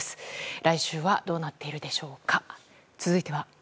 来週はどうなっているでしょうか。